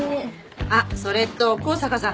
あっそれと向坂さん。